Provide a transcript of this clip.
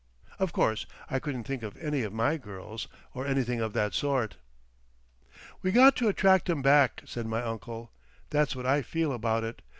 Of course I couldn't think of any of my girls—or anything of that sort." "We got to attract 'em back," said my uncle. "That's what I feel about it.